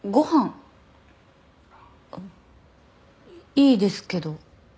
いいですけど。